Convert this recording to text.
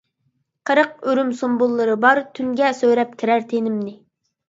قىرىق ئۆرۈم سۇمبۇللىرى بار، تۈنگە سۆرەپ كىرەر تېنىمنى.